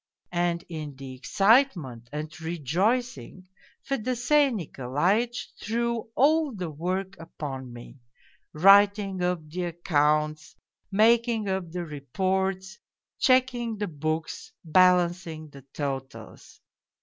And in the excitement and rejoicing Fedosey Nikolaitch threw all the work upon me : writing up the accounts, making up the reports, checking the books, balancing the totals.